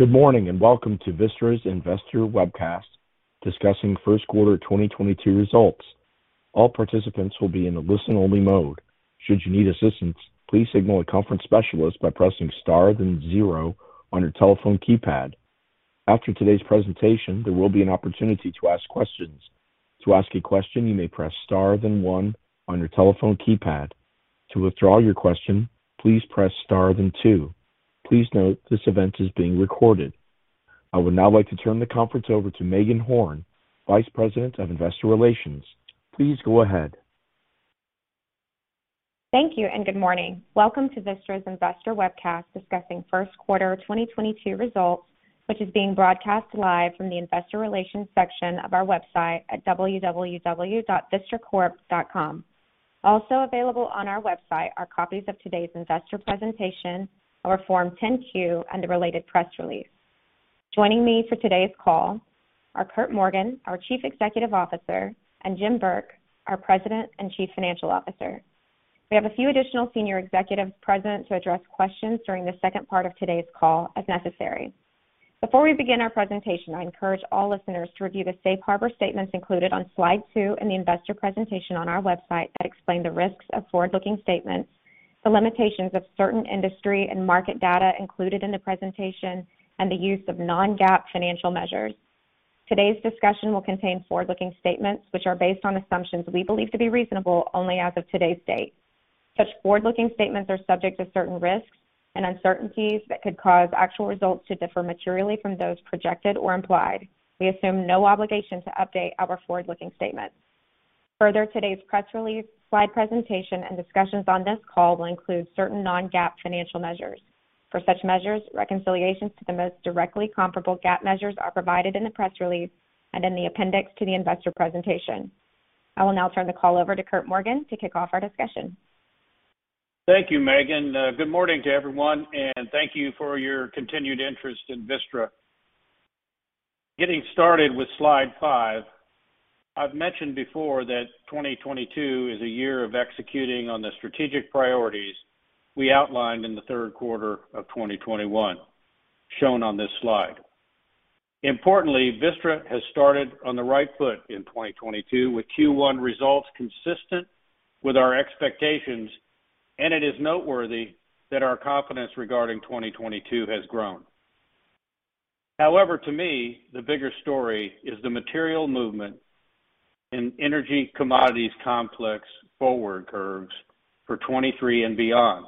Good morning, and welcome to Vistra's Investor Webcast Discussing First Quarter 2022 Results. All participants will be in a listen-only mode. Should you need assistance, please signal a conference specialist by pressing Star then zero on your telephone keypad. After today's presentation, there will be an opportunity to ask questions. To ask a question, you may press Star then one on your telephone keypad. To withdraw your question, please press Star then two. Please note this event is being recorded. I would now like to turn the conference over to Meagan Horn, Vice President of Investor Relations. Please go ahead. Thank you and good morning. Welcome to Vistra's Investor Webcast discussing Q1 2022 Results, which is being broadcast live from the investor relations section of our website at www.vistracorp.com. Also available on our website are copies of today's investor presentation, our Form 10-Q, and the related press release. Joining me for today's call are Curt Morgan, our Chief Executive Officer, and Jim Burke, our President and Chief Financial Officer. We have a few additional senior executives present to address questions during the second part of today's call, as necessary. Before we begin our presentation, I encourage all listeners to review the safe harbor statements included on slide 2 in the investor presentation on our website that explain the risks of forward-looking statements, the limitations of certain industry and market data included in the presentation, and the use of non-GAAP financial measures. Today's discussion will contain forward-looking statements which are based on assumptions we believe to be reasonable only as of today's date. Such forward-looking statements are subject to certain risks and uncertainties that could cause actual results to differ materially from those projected or implied. We assume no obligation to update our forward-looking statements. Further, today's press release, slide presentation, and discussions on this call will include certain non-GAAP financial measures. For such measures, reconciliations to the most directly comparable GAAP measures are provided in the press release and in the appendix to the investor presentation. I will now turn the call over to Curt Morgan to kick off our discussion. Thank you, Meagan. Good morning to everyone, and thank you for your continued interest in Vistra. Getting started with slide 5, I've mentioned before that 2022 is a year of executing on the strategic priorities we outlined in the third quarter of 2021, shown on this slide. Importantly, Vistra has started on the right foot in 2022 with Q1 results consistent with our expectations, and it is noteworthy that our confidence regarding 2022 has grown. However, to me, the bigger story is the material movement in energy commodities complex forward curves for 2023 and beyond.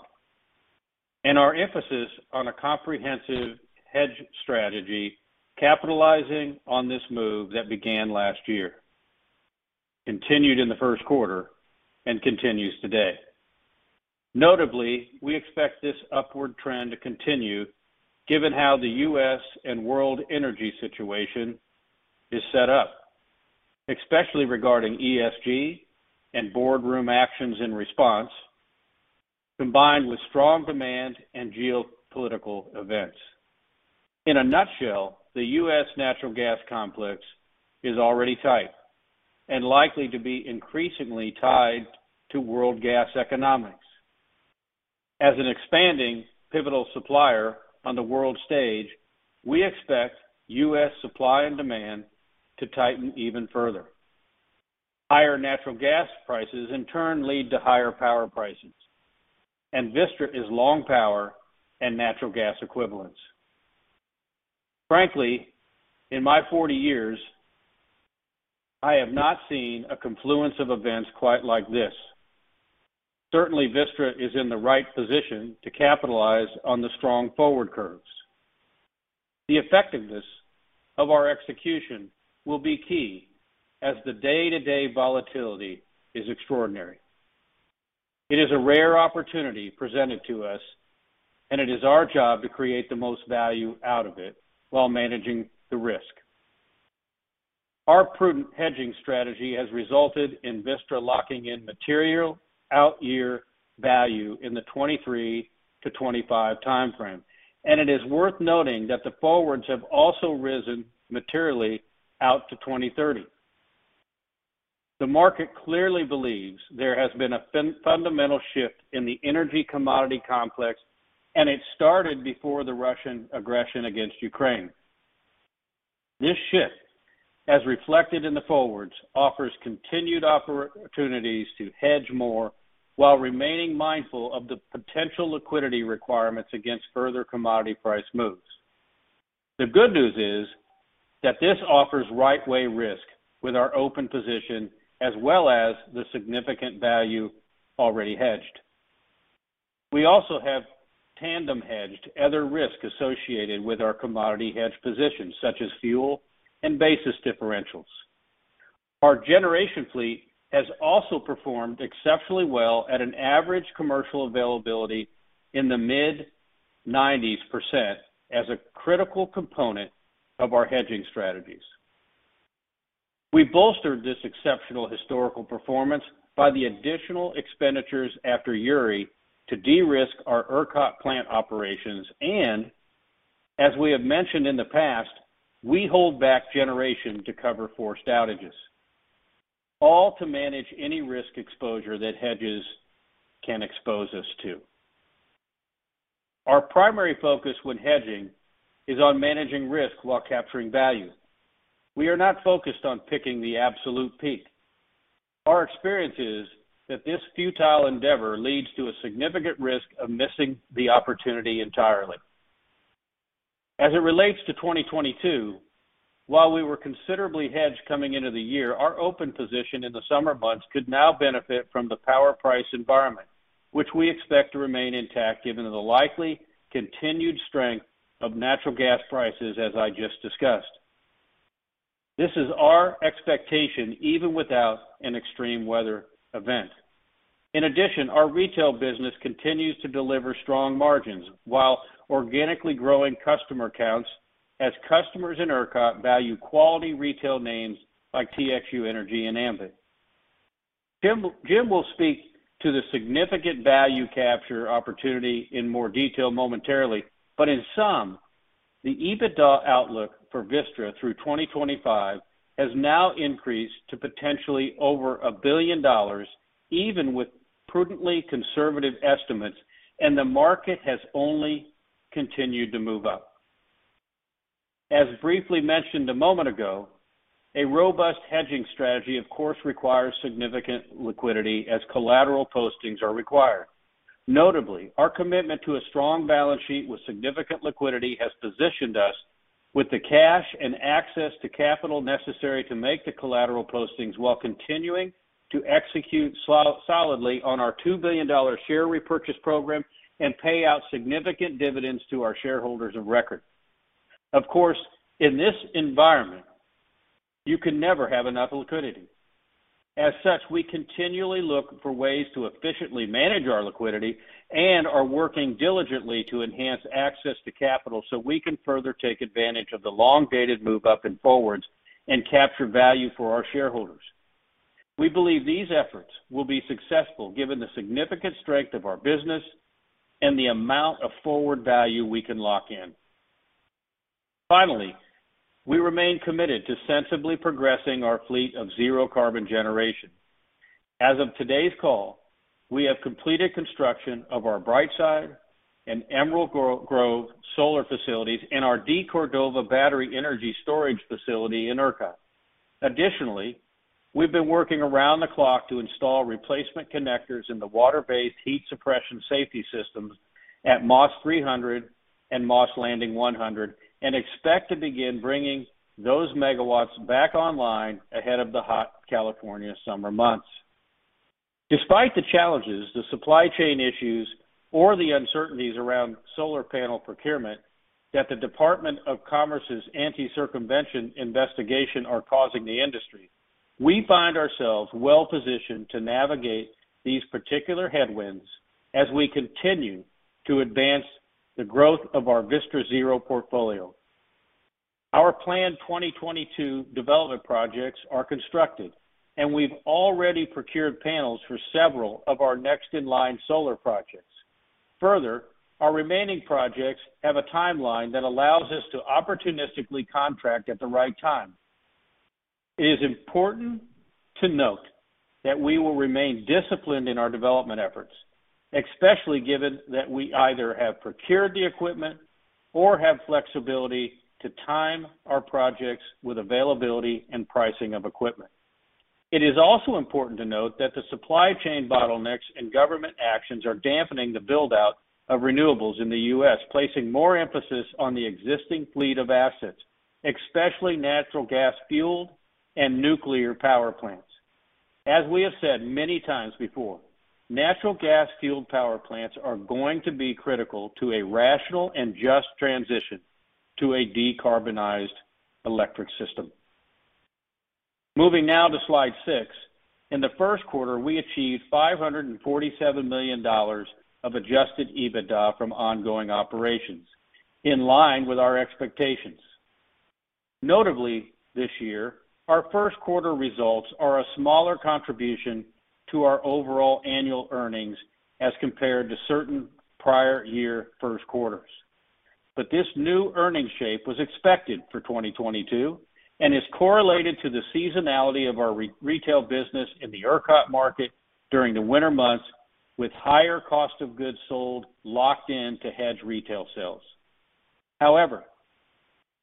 Our emphasis on a comprehensive hedge strategy capitalizing on this move that began last year, continued in the first quarter, and continues today. Notably, we expect this upward trend to continue given how the U.S. and world energy situation is set up, especially regarding ESG and boardroom actions in response, combined with strong demand and geopolitical events. In a nutshell, the U.S. natural gas complex is already tight and likely to be increasingly tied to world gas economics. As an expanding pivotal supplier on the world stage, we expect U.S. supply and demand to tighten even further. Higher natural gas prices in turn lead to higher power prices, and Vistra is long power and natural gas equivalents. Frankly, in my 40 years, I have not seen a confluence of events quite like this. Certainly, Vistra is in the right position to capitalize on the strong forward curves. The effectiveness of our execution will be key as the day-to-day volatility is extraordinary. It is a rare opportunity presented to us, and it is our job to create the most value out of it while managing the risk. Our prudent hedging strategy has resulted in Vistra locking in material out-year value in the 2023-2025 timeframe, and it is worth noting that the forwards have also risen materially out to 2030. The market clearly believes there has been a fundamental shift in the energy commodity complex, and it started before the Russian aggression against Ukraine. This shift, as reflected in the forwards, offers continued opportunities to hedge more while remaining mindful of the potential liquidity requirements against further commodity price moves. The good news is that this offers right-way risk with our open position as well as the significant value already hedged. We also have tandem hedged other risks associated with our commodity hedge positions such as fuel and basis differentials. Our generation fleet has also performed exceptionally well at an average commercial availability in the mid-90s% as a critical component of our hedging strategies. We bolstered this exceptional historical performance by the additional expenditures after Uri to de-risk our ERCOT plant operations. As we have mentioned in the past, we hold back generation to cover forced outages. All to manage any risk exposure that hedges can expose us to. Our primary focus when hedging is on managing risk while capturing value. We are not focused on picking the absolute peak. Our experience is that this futile endeavor leads to a significant risk of missing the opportunity entirely. As it relates to 2022, while we were considerably hedged coming into the year, our open position in the summer months could now benefit from the power price environment, which we expect to remain intact given the likely continued strength of natural gas prices, as I just discussed. This is our expectation even without an extreme weather event. In addition, our retail business continues to deliver strong margins while organically growing customer counts as customers in ERCOT value quality retail names like TXU Energy and Ambit. Jim will speak to the significant value capture opportunity in more detail momentarily, but in sum, the EBITDA outlook for Vistra through 2025 has now increased to potentially over $1 billion, even with prudently conservative estimates, and the market has only continued to move up. As briefly mentioned a moment ago, a robust hedging strategy of course requires significant liquidity as collateral postings are required. Notably, our commitment to a strong balance sheet with significant liquidity has positioned us with the cash and access to capital necessary to make the collateral postings while continuing to execute solidly on our $2 billion share repurchase program and pay out significant dividends to our shareholders of record. Of course, in this environment, you can never have enough liquidity. As such, we continually look for ways to efficiently manage our liquidity and are working diligently to enhance access to capital so we can further take advantage of the long-dated move up in forwards and capture value for our shareholders. We believe these efforts will be successful given the significant strength of our business and the amount of forward value we can lock in. Finally, we remain committed to sensibly progressing our fleet of zero carbon generation. As of today's call, we have completed construction of our Brightside and Emerald Grove solar facilities and our DeCordova battery energy storage facility in ERCOT. Additionally, we've been working around the clock to install replacement connectors in the water-based heat suppression safety systems at Moss Landing 300 and Moss Landing 100 and expect to begin bringing those megawatts back online ahead of the hot California summer months. Despite the challenges, the supply chain issues or the uncertainties around solar panel procurement that the Department of Commerce's anti-circumvention investigation are causing the industry, we find ourselves well-positioned to navigate these particular headwinds as we continue to advance the growth of our Vistra Zero portfolio. Our planned 2022 development projects are constructed, and we've already procured panels for several of our next in-line solar projects. Further, our remaining projects have a timeline that allows us to opportunistically contract at the right time. It is important to note that we will remain disciplined in our development efforts, especially given that we either have procured the equipment or have flexibility to time our projects with availability and pricing of equipment. It is also important to note that the supply chain bottlenecks and government actions are dampening the build-out of renewables in the U.S., placing more emphasis on the existing fleet of assets, especially natural gas-fueled and nuclear power plants. As we have said many times before, natural gas-fueled power plants are going to be critical to a rational and just transition to a decarbonized electric system. Moving now to slide 6. In the first quarter, we achieved $547 million of Adjusted EBITDA from ongoing operations, in line with our expectations. Notably, this year, our first quarter results are a smaller contribution to our overall annual earnings as compared to certain prior year first quarters. This new earnings shape was expected for 2022 and is correlated to the seasonality of our retail business in the ERCOT market during the winter months with higher cost of goods sold locked in to hedge retail sales. However,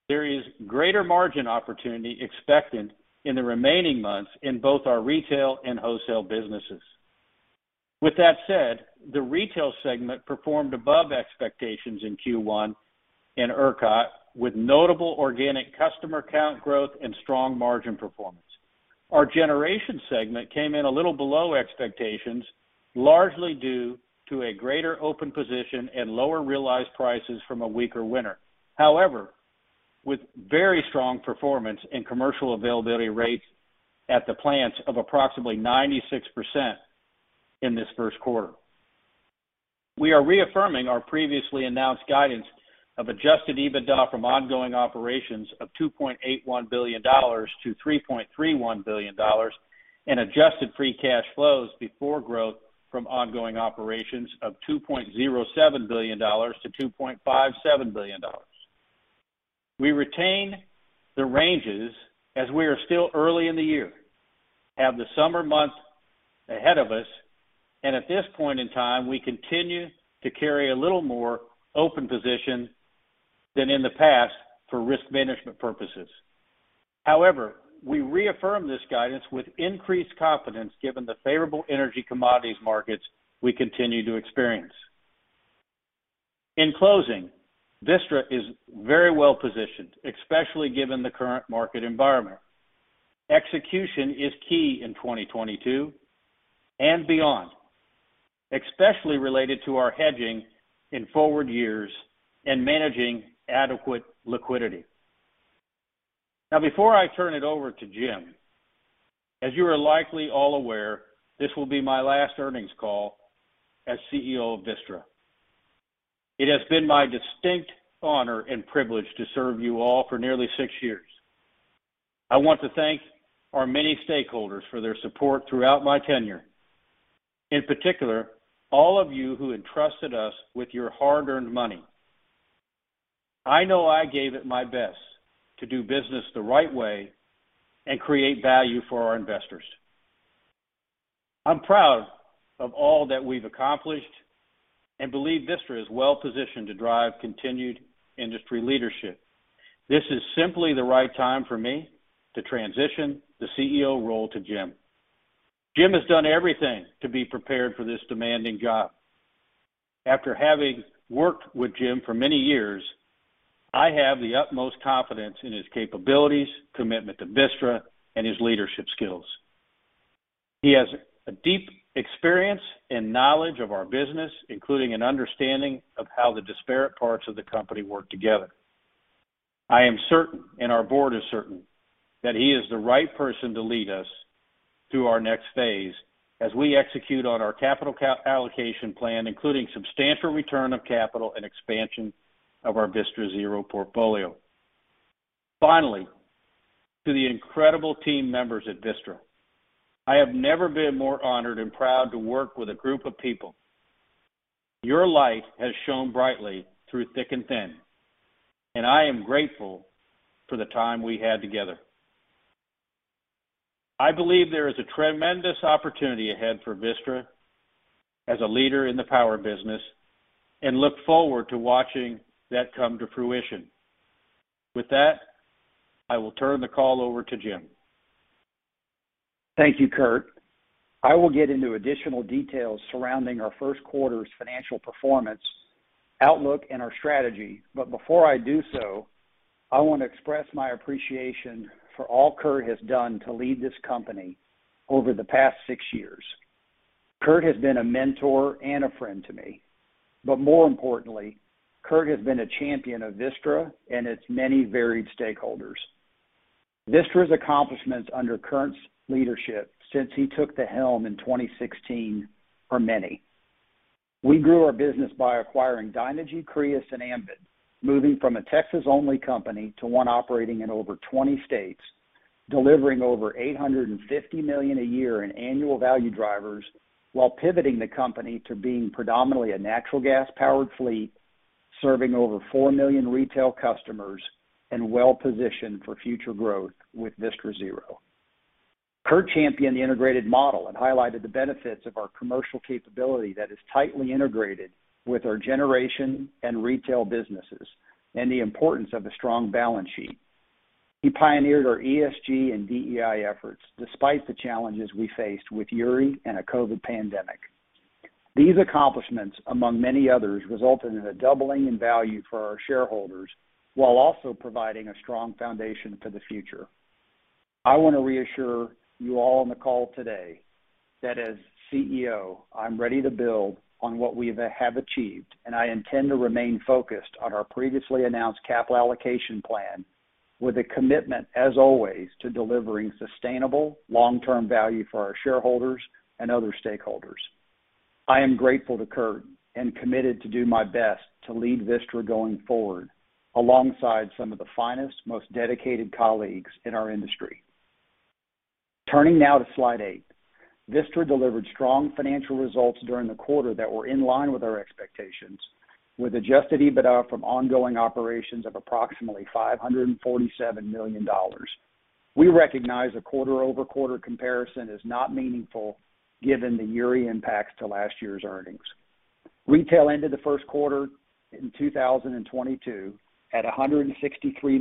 there is greater margin opportunity expected in the remaining months in both our retail and wholesale businesses. With that said, the retail segment performed above expectations in Q1 in ERCOT with notable organic customer count growth and strong margin performance. Our generation segment came in a little below expectations, largely due to a greater open position and lower realized prices from a weaker winter. However, with very strong performance and commercial availability rates at the plants of approximately 96% in this first quarter. We are reaffirming our previously announced guidance of Adjusted EBITDA from ongoing operations of $2.81 billion-$3.31 billion and adjusted free cash flows before growth from ongoing operations of $2.07 billion-$2.57 billion. We retain the ranges as we are still early in the year, have the summer months ahead of us, and at this point in time, we continue to carry a little more open position than in the past for risk management purposes. However, we reaffirm this guidance with increased confidence given the favorable energy commodities markets we continue to experience. In closing, Vistra is very well-positioned, especially given the current market environment. Execution is key in 2022 and beyond, especially related to our hedging in forward years and managing adequate liquidity. Now, before I turn it over to Jim, as you are likely all aware, this will be my last earnings call as CEO of Vistra. It has been my distinct honor and privilege to serve you all for nearly six years. I want to thank our many stakeholders for their support throughout my tenure. In particular, all of you who entrusted us with your hard-earned money. I know I gave it my best to do business the right way and create value for our investors. I'm proud of all that we've accomplished and believe Vistra is well-positioned to drive continued industry leadership. This is simply the right time for me to transition the CEO role to Jim. Jim has done everything to be prepared for this demanding job. After having worked with Jim for many years, I have the utmost confidence in his capabilities, commitment to Vistra, and his leadership skills. He has a deep experience and knowledge of our business, including an understanding of how the disparate parts of the company work together. I am certain, and our board is certain, that he is the right person to lead us through our next phase as we execute on our capital allocation plan, including substantial return of capital and expansion of our Vistra Zero portfolio. Finally, to the incredible team members at Vistra, I have never been more honored and proud to work with a group of people. Your light has shone brightly through thick and thin, and I am grateful for the time we had together. I believe there is a tremendous opportunity ahead for Vistra as a leader in the power business, and look forward to watching that come to fruition. With that, I will turn the call over to Jim. Thank you, Curt. I will get into additional details surrounding our first quarter's financial performance, outlook, and our strategy. Before I do so, I want to express my appreciation for all Curt has done to lead this company over the past six years. Curt has been a mentor and a friend to me, but more importantly, Curt has been a champion of Vistra and its many varied stakeholders. Vistra's accomplishments under Curt's leadership since he took the helm in 2016 are many. We grew our business by acquiring Dynegy, Crius, and Ambit, moving from a Texas-only company to one operating in over 20 states, delivering over $850 million a year in annual value drivers while pivoting the company to being predominantly a natural gas-powered fleet, serving over 4 million retail customers and well-positioned for future growth with Vistra Zero. Curt championed the integrated model and highlighted the benefits of our commercial capability that is tightly integrated with our generation and retail businesses and the importance of a strong balance sheet. He pioneered our ESG and DEI efforts despite the challenges we faced with Uri and a COVID pandemic. These accomplishments, among many others, resulted in a doubling in value for our shareholders while also providing a strong foundation for the future. I want to reassure you all on the call today that as CEO, I'm ready to build on what we have achieved, and I intend to remain focused on our previously announced capital allocation plan with a commitment, as always, to delivering sustainable long-term value for our shareholders and other stakeholders. I am grateful to Curt and committed to do my best to lead Vistra going forward alongside some of the finest, most dedicated colleagues in our industry. Turning now to slide eight. Vistra delivered strong financial results during the quarter that were in line with our expectations, with Adjusted EBITDA from ongoing operations of approximately $547 million. We recognize a quarter-over-quarter comparison is not meaningful given the Uri impacts to last year's earnings. Retail ended the first quarter in 2022 at $163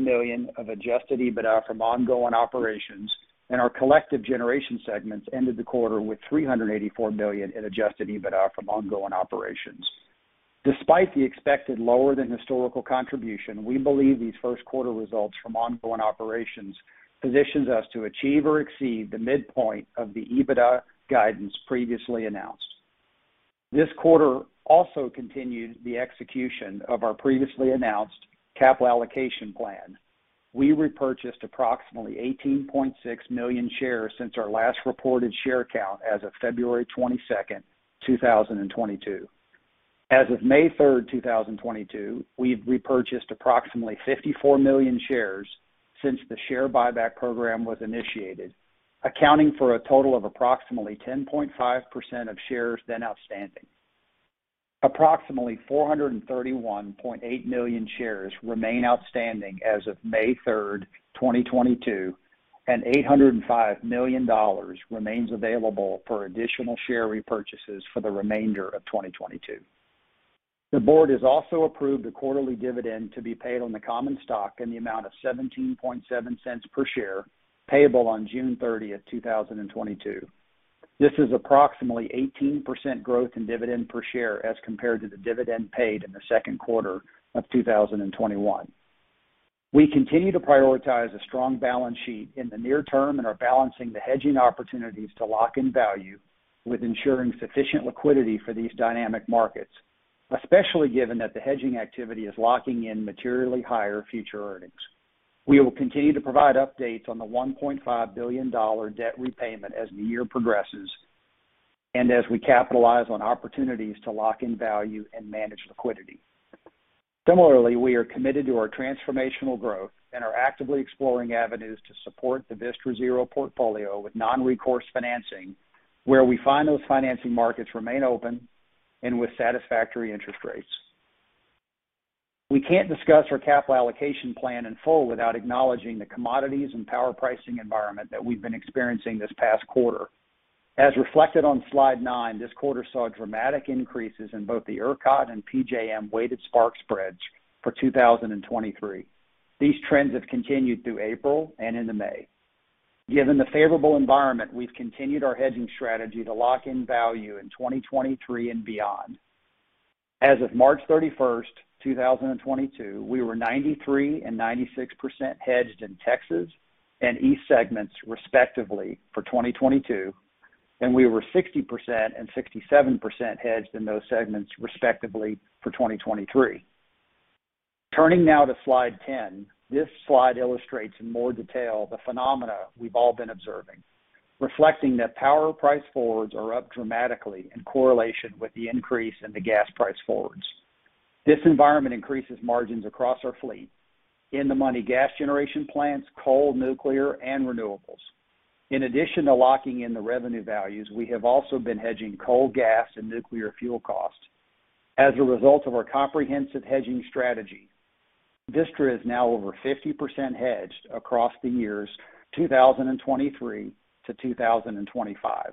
million of Adjusted EBITDA from ongoing operations, and our collective generation segments ended the quarter with $384 million in Adjusted EBITDA from ongoing operations. Despite the expected lower than historical contribution, we believe these first quarter results from ongoing operations positions us to achieve or exceed the midpoint of the EBITDA guidance previously announced. This quarter also continued the execution of our previously announced capital allocation plan. We repurchased approximately 18.6 million shares since our last reported share count as of February 22nd, 2022. As of May 3rd, 2022, we've repurchased approximately 54 million shares since the share buyback program was initiated, accounting for a total of approximately 10.5% of shares then outstanding. Approximately 431.8 million shares remain outstanding as of May 3rd, 2022, and $805 million remains available for additional share repurchases for the remainder of 2022. The board has also approved a quarterly dividend to be paid on the common stock in the amount of $0.177 per share, payable on June 30th, 2022. This is approximately 18% growth in dividend per share as compared to the dividend paid in the second quarter of 2021. We continue to prioritize a strong balance sheet in the near term and are balancing the hedging opportunities to lock in value with ensuring sufficient liquidity for these dynamic markets, especially given that the hedging activity is locking in materially higher future earnings. We will continue to provide updates on the $1.5 billion debt repayment as the year progresses and as we capitalize on opportunities to lock in value and manage liquidity. Similarly, we are committed to our transformational growth and are actively exploring avenues to support the Vistra Zero portfolio with non-recourse financing, where we find those financing markets remain open and with satisfactory interest rates. We can't discuss our capital allocation plan in full without acknowledging the commodities and power pricing environment that we've been experiencing this past quarter. As reflected on slide 9, this quarter saw dramatic increases in both the ERCOT and PJM weighted spark spreads for 2023. These trends have continued through April and into May. Given the favorable environment, we've continued our hedging strategy to lock in value in 2023 and beyond. As of March 31st, 2022, we were 93% and 96% hedged in Texas and East segments, respectively, for 2022, and we were 60% and 67% hedged in those segments, respectively, for 2023. Turning now to slide 10. This slide illustrates in more detail the phenomena we've all been observing, reflecting that power price forwards are up dramatically in correlation with the increase in the gas price forwards. This environment increases margins across our fleet. In-the-money gas generation plants, coal, nuclear, and renewables. In addition to locking in the revenue values, we have also been hedging coal, gas, and nuclear fuel costs. As a result of our comprehensive hedging strategy, Vistra is now over 50% hedged across the years 2023 to 2025.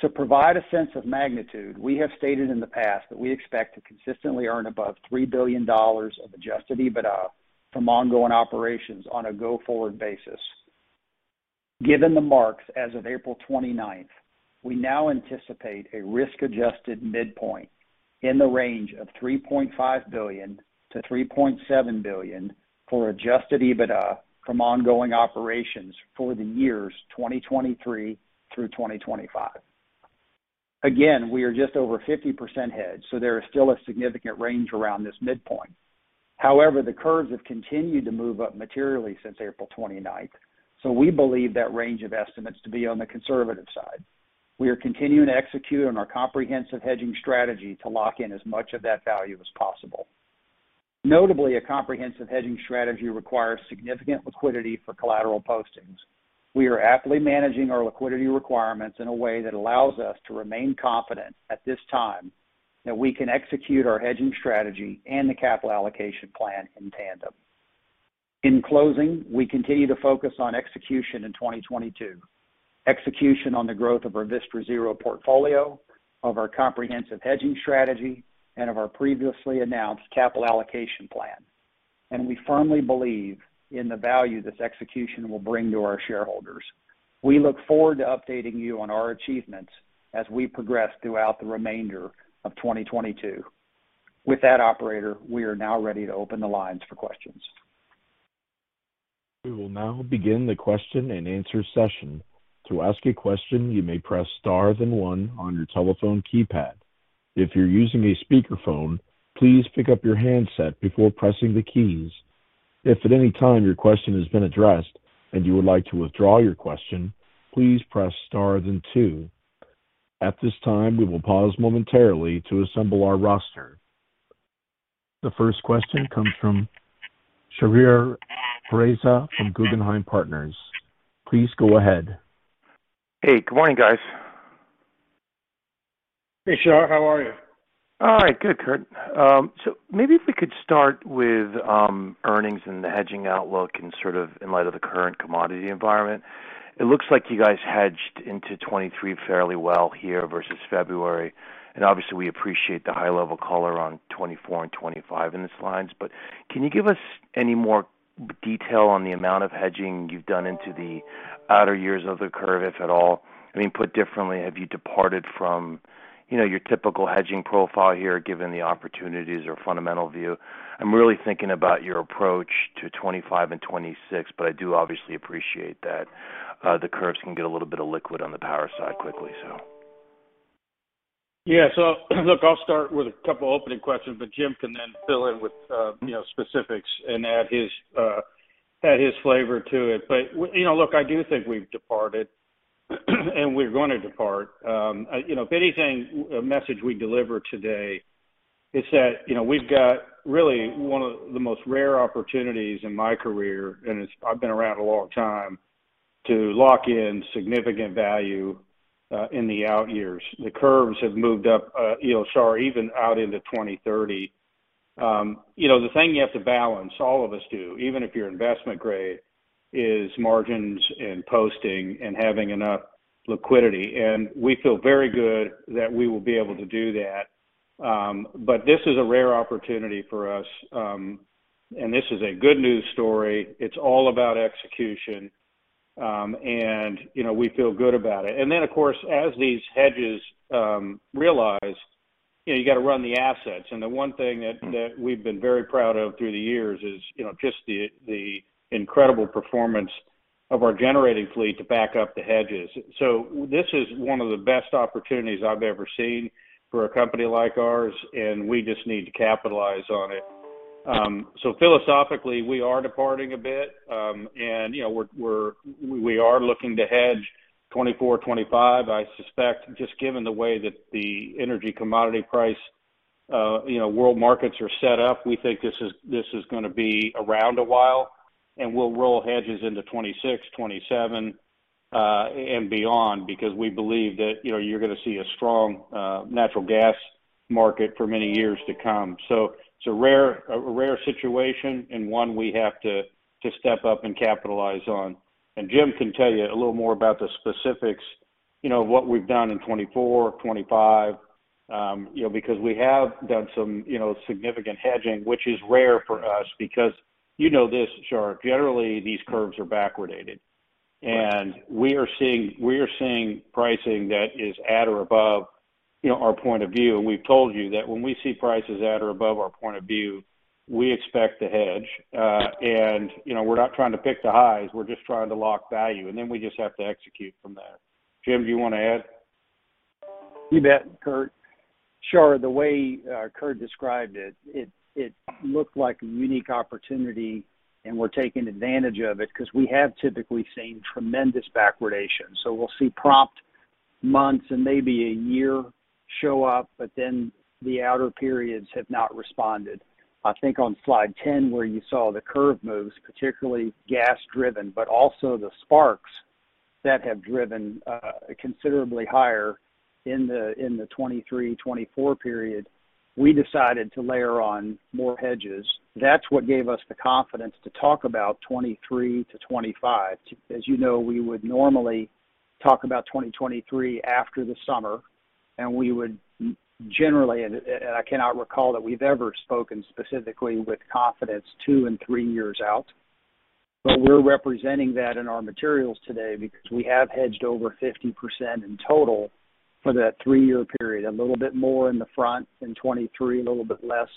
To provide a sense of magnitude, we have stated in the past that we expect to consistently earn above $3 billion of Adjusted EBITDA from ongoing operations on a go-forward basis. Given the marks as of April 29, we now anticipate a risk-adjusted midpoint in the range of $3.5 billion-$3.7 billion for Adjusted EBITDA from ongoing operations for the years 2023 through 2025. Again, we are just over 50% hedged, so there is still a significant range around this midpoint. However, the curves have continued to move up materially since April twenty-ninth, so we believe that range of estimates to be on the conservative side. We are continuing to execute on our comprehensive hedging strategy to lock in as much of that value as possible. Notably, a comprehensive hedging strategy requires significant liquidity for collateral postings. We are aptly managing our liquidity requirements in a way that allows us to remain confident at this time that we can execute our hedging strategy and the capital allocation plan in tandem. In closing, we continue to focus on execution in 2022. Execution on the growth of our Vistra Zero portfolio, of our comprehensive hedging strategy, and of our previously announced capital allocation plan. We firmly believe in the value this execution will bring to our shareholders. We look forward to updating you on our achievements as we progress throughout the remainder of 2022. With that, operator, we are now ready to open the lines for questions. We will now begin the question and answer session. To ask a question, you may press star then one on your telephone keypad. If you're using a speakerphone, please pick up your handset before pressing the keys. If at any time your question has been addressed and you would like to withdraw your question, please press star then two. At this time, we will pause momentarily to assemble our roster. The first question comes from Shahriar Pourreza from Guggenheim Partners. Please go ahead. Hey, good morning, guys. Hey, Shah. How are you? All right. Good, Curt. Maybe if we could start with earnings and the hedging outlook and sort of in light of the current commodity environment. It looks like you guys hedged into 2023 fairly well here versus February. Obviously, we appreciate the high-level color on 2024 and 2025 in the slides. Can you give us any more detail on the amount of hedging you've done into the outer years of the curve, if at all? I mean, put differently, have you departed from, you know, your typical hedging profile here, given the opportunities or fundamental view? I'm really thinking about your approach to 2025 and 2026, but I do obviously appreciate that the curves can get a little bit illiquid on the power side quickly, so. Yeah. So look, I'll start with a couple opening questions, but Jim can then fill in with, you know, specifics and add his flavor to it. You know, look, I do think we've departed and we're gonna depart. You know, if anything, a message we deliver today is that, you know, we've got really one of the most rare opportunities in my career, and it's I've been around a long time. To lock in significant value in the out years. The curves have moved up, you know, Shahriar Pourreza, even out into 2030. You know, the thing you have to balance, all of us do, even if you're investment grade, is margins and posting and having enough liquidity. We feel very good that we will be able to do that. But this is a rare opportunity for us, and this is a good news story. It's all about execution, and, you know, we feel good about it. Then of course, as these hedges realize, you know, you got to run the assets. The one thing that we've been very proud of through the years is, you know, just the incredible performance of our generating fleet to back up the hedges. This is one of the best opportunities I've ever seen for a company like ours, and we just need to capitalize on it. Philosophically, we are departing a bit, and you know we are looking to hedge 2024, 2025. I suspect just given the way that the energy commodity price, you know, world markets are set up, we think this is going to be around a while, and we'll roll hedges into 2026, 2027, and beyond because we believe that, you know, you're going to see a strong natural gas market for many years to come. It's a rare situation and one we have to step up and capitalize on. Jim can tell you a little more about the specifics, you know, what we've done in 2024, 2025, you know, because we have done some, you know, significant hedging, which is rare for us because you know this, Char, generally, these curves are backwardation. We are seeing pricing that is at or above, you know, our point of view. We've told you that when we see prices at or above our point of view, we expect to hedge. You know, we're not trying to pick the highs, we're just trying to lock value, and then we just have to execute from there. Jim, do you want to add? You bet, Curt. Shahriar, the way Curt described it looked like a unique opportunity, and we're taking advantage of it because we have typically seen tremendous backwardation. We'll see prompt months and maybe a year show up, but then the outer periods have not responded. I think on slide 10 where you saw the curve moves, particularly gas-driven, but also the spark spreads that have driven considerably higher in the 2023, 2024 period, we decided to layer on more hedges. That's what gave us the confidence to talk about 2023 to 2025. As you know, we would normally talk about 2023 after the summer, and we would generally and I cannot recall that we've ever spoken specifically with confidence two and three years out. We're representing that in our materials today because we have hedged over 50% in total for that three-year period, a little bit more in the front in 2023, a little bit less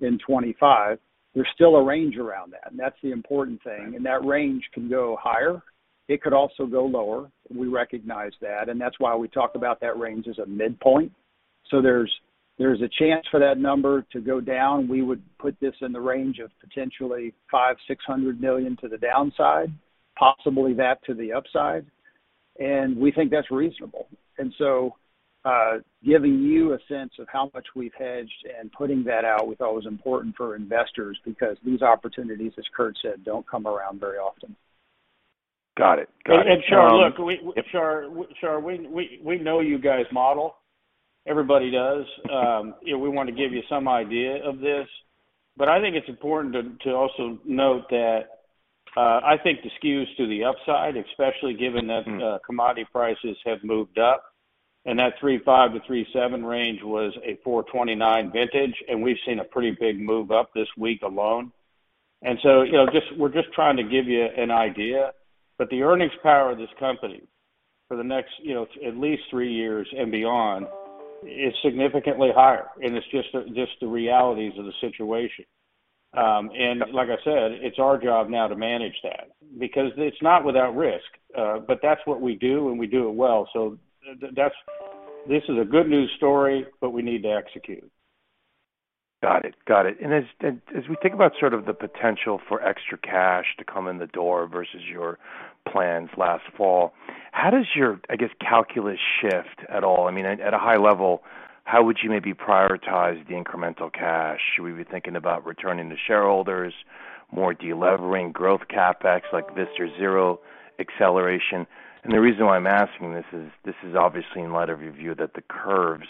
in 2025. There's still a range around that, and that's the important thing. That range can go higher. It could also go lower. We recognize that, and that's why we talk about that range as a midpoint. There's a chance for that number to go down. We would put this in the range of potentially $500 million - $600 million to the downside, possibly that to the upside. We think that's reasonable. Giving you a sense of how much we've hedged and putting that out we thought was important for investors because these opportunities, as Curt said, don't come around very often. Got it. Shahriar Pourreza, look, we know you guys model. Everybody does. You know, we want to give you some idea of this. I think it's important to also note that I think the skews to the upside, especially given that. Commodity prices have moved up, and that $3.5-$3.7 range was a $4.29 vintage, and we've seen a pretty big move up this week alone. You know, we're just trying to give you an idea. The earnings power of this company for the next, you know, at least three years and beyond is significantly higher. It's just the realities of the situation. Like I said, it's our job now to manage that because it's not without risk. That's what we do, and we do it well. This is a good news story, but we need to execute. Got it. As we think about sort of the potential for extra cash to come in the door versus your plans last fall, how does your, I guess, calculus shift at all? I mean, at a high level, how would you maybe prioritize the incremental cash? Should we be thinking about returning to shareholders, more delevering growth CapEx like Vistra Zero acceleration? The reason why I'm asking this is, this is obviously in light of your view that the curves,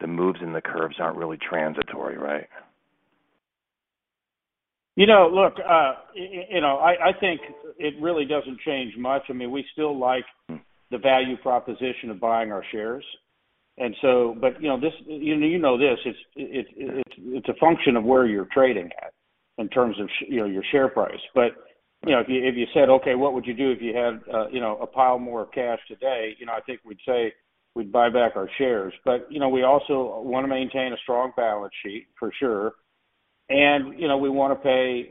the moves in the curves aren't really transitory, right? You know, look, you know, I think it really doesn't change much. I mean, we still like the value proposition of buying our shares. But you know, this, you know this, it's a function of where you're trading at in terms of your share price. If you said, "Okay, what would you do if you had a pile more of cash today?" You know, I think we'd say we'd buy back our shares. But you know, we also wanna maintain a strong balance sheet for sure. You know, we wanna pay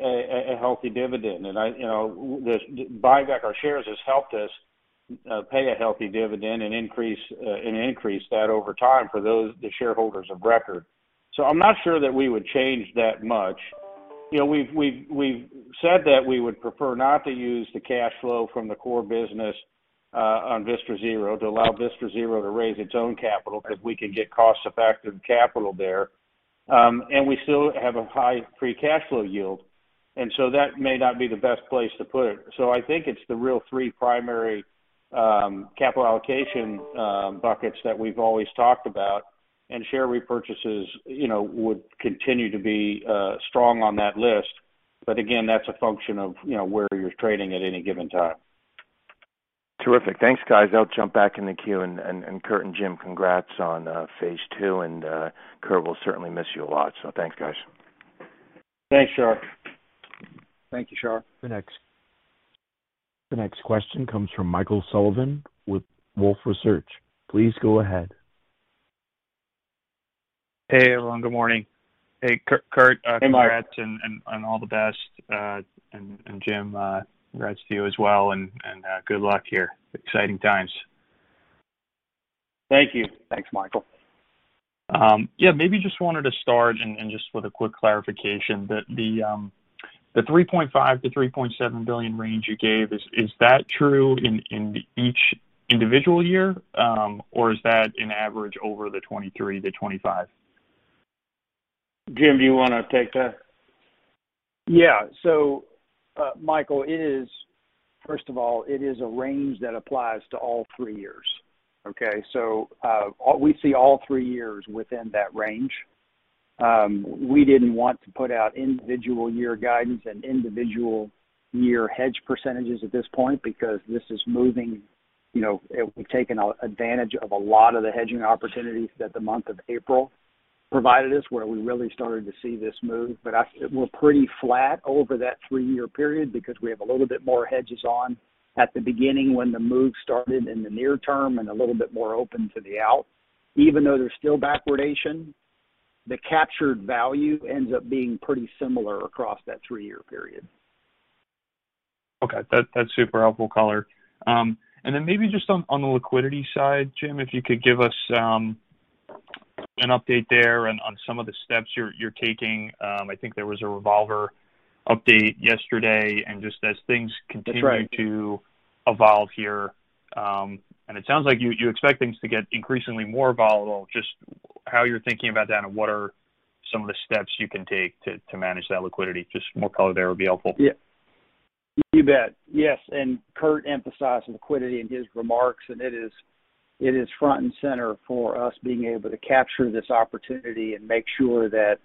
a healthy dividend. You know, buying back our shares has helped us pay a healthy dividend and increase that over time for the shareholders of record. I'm not sure that we would change that much. We've said that we would prefer not to use the cash flow from the core business on Vistra Zero to allow Vistra Zero to raise its own capital if we can get cost-effective capital there. We still have a high free cash flow yield. That may not be the best place to put it. I think it's the three primary capital allocation buckets that we've always talked about. Share repurchases would continue to be strong on that list. That's a function of where you're trading at any given time. Terrific. Thanks, guys. I'll jump back in the queue. Curt and Jim, congrats on phase two, and Curt, we'll certainly miss you a lot, so thanks, guys. Thanks, Shar. Thank you, Shar. The next question comes from Michael Sullivan with Wolfe Research. Please go ahead. Hey, everyone. Good morning. Hey, Curt- Hey, Mike. Congrats and all the best. Jim, congrats to you as well and good luck here. Exciting times. Thank you. Thanks, Michael. Yeah, maybe just wanted to start with a quick clarification that the $3.5 billion-$3.7 billion range you gave, is that true in each individual year, or is that an average over the 2023-2025? Jim, do you wanna take that? Yeah. Michael, first of all, it is a range that applies to all three years. Okay, we see all three years within that range. We didn't want to put out individual year guidance and individual year hedge percentages at this point because this is moving. You know, we've taken advantage of a lot of the hedging opportunities that the month of April provided us, where we really started to see this move. We're pretty flat over that three-year period because we have a little bit more hedges on at the beginning when the move started in the near term and a little bit more open to the out. Even though there's still backwardation, the captured value ends up being pretty similar across that three-year period. Okay. That’s super helpful color. Maybe just on the liquidity side, Jim, if you could give us an update there and on some of the steps you’re taking. I think there was a revolver update yesterday. Just as things continue. That's right. To evolve here, and it sounds like you expect things to get increasingly more volatile. Just how you're thinking about that and what are some of the steps you can take to manage that liquidity? Just more color there would be helpful. Yeah. You bet. Yes. Curt emphasized liquidity in his remarks, and it is front and center for us being able to capture this opportunity and make sure that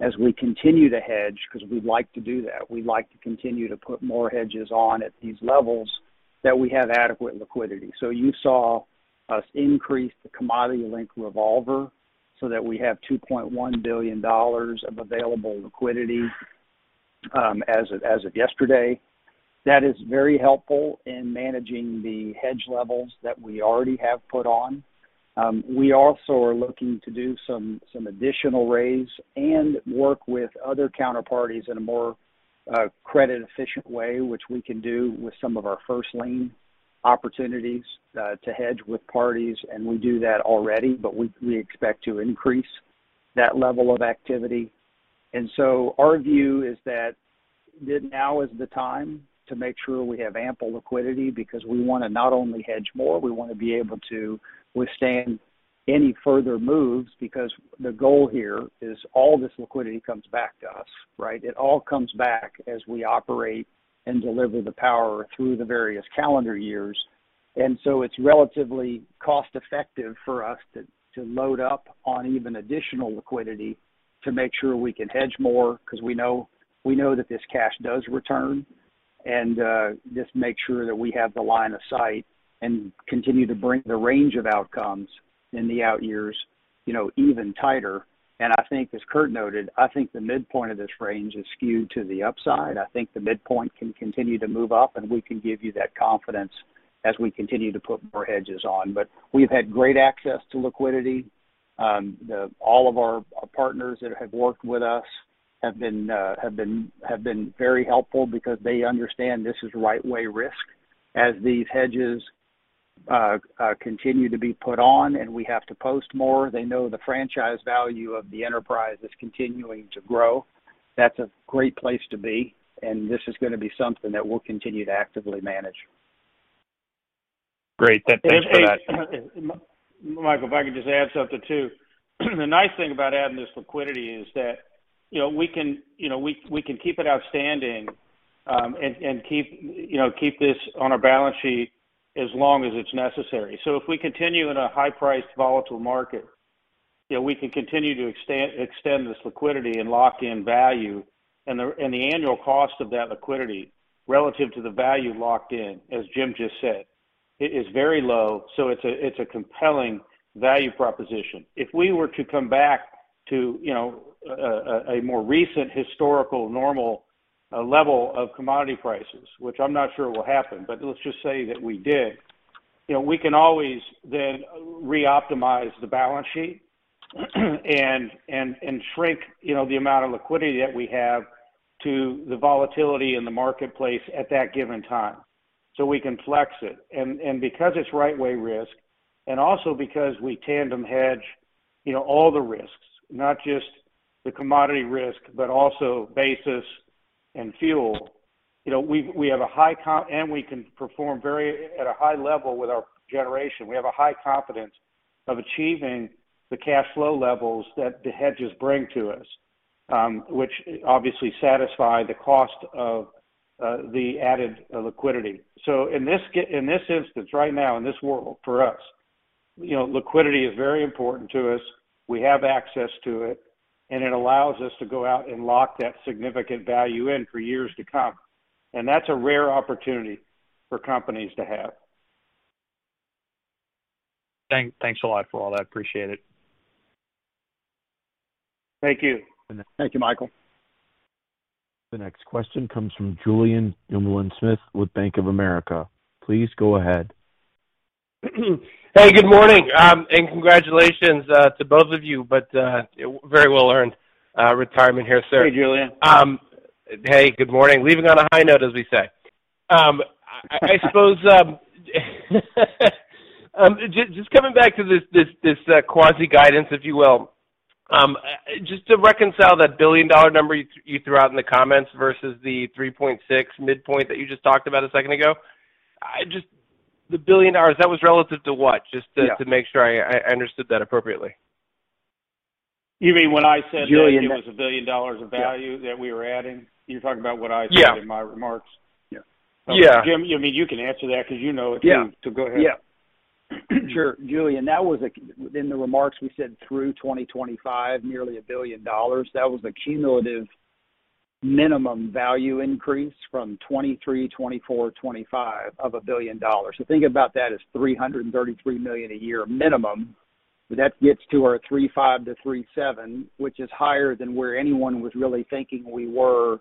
as we continue to hedge, 'cause we like to do that, we like to continue to put more hedges on at these levels that we have adequate liquidity. You saw us increase the commodity-linked revolver so that we have $2.1 billion of available liquidity, as of yesterday. That is very helpful in managing the hedge levels that we already have put on. We also are looking to do some additional raise and work with other counterparties in a more credit efficient way, which we can do with some of our first lien opportunities to hedge with parties, and we do that already, but we expect to increase that level of activity. Our view is that now is the time to make sure we have ample liquidity because we wanna not only hedge more, we wanna be able to withstand any further moves because the goal here is all this liquidity comes back to us, right? It all comes back as we operate and deliver the power through the various calendar years. It's relatively cost-effective for us to load up on even additional liquidity to make sure we can hedge more because we know that this cash does return, and just make sure that we have the line of sight and continue to bring the range of outcomes in the out years, you know, even tighter. I think as Curt noted, I think the midpoint of this range is skewed to the upside. I think the midpoint can continue to move up, and we can give you that confidence as we continue to put more hedges on. We've had great access to liquidity. All of our partners that have worked with us have been very helpful because they understand this is right way risk. As these hedges continue to be put on and we have to post more, they know the franchise value of the enterprise is continuing to grow. That's a great place to be, and this is gonna be something that we'll continue to actively manage. Great. Thanks for that. Michael, if I could just add something too. The nice thing about adding this liquidity is that, you know, we can, you know, we can keep it outstanding, and keep, you know, keep this on our balance sheet as long as it's necessary. If we continue in a high-priced volatile market, you know, we can continue to extend this liquidity and lock in value. The annual cost of that liquidity relative to the value locked in, as Jim just said, it is very low, so it's a compelling value proposition. If we were to come back to, you know, a more recent historical normal level of commodity prices, which I'm not sure will happen, but let's just say that we did, you know, we can always then reoptimize the balance sheet and shrink, you know, the amount of liquidity that we have to the volatility in the marketplace at that given time. We can flex it. Because it's right way risk, and also because we tandem hedge, you know, all the risks, not just the commodity risk, but also basis and fuel. You know, we have a high confidence of achieving the cash flow levels that the hedges bring to us, which obviously satisfy the cost of the added liquidity. in this instance right now, in this world for us, you know, liquidity is very important to us. We have access to it, and it allows us to go out and lock that significant value in for years to come. That's a rare opportunity for companies to have. Thanks a lot for all that. Appreciate it. Thank you. Thank you, Michael. The next question comes from Julien Dumoulin-Smith with Bank of America. Please go ahead. Hey, good morning, and congratulations to both of you, but very well earned retirement here, sir. Hey, Julien. Hey, good morning. Leaving on a high note, as we say. I suppose just coming back to this quasi guidance, if you will. Just to reconcile that billion-dollar number you threw out in the comments versus the $3.6 billion midpoint that you just talked about a second ago. The billion dollars, that was relative to what? Just to make sure I understood that appropriately. You mean when I said that. Julien, yeah. It was a billion dollars of value that we were adding? You're talking about what I said in my remarks? Jim, I mean, you can answer that because you know it too. Go ahead. Yeah. Sure. Julien Dumoulin-Smith, that was in the remarks we said through 2025, nearly a billion dollars. That was a cumulative minimum value increase from 2023, 2024, 2025 of a billion dollars. Think about that as $333 million a year minimum. That gets to our $3.5 billion-$3.7 billion, which is higher than where anyone was really thinking we were